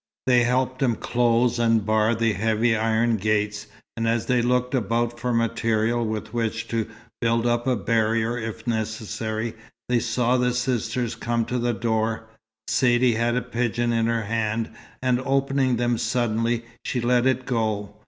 They helped him close and bar the heavy iron gates; and as they looked about for material with which to build up a barrier if necessary, they saw the sisters come to the door. Saidee had a pigeon in her hands, and opening them suddenly, she let it go.